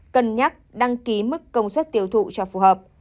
cân nhắc đăng ký mức công suất tiêu thụ cho phù hợp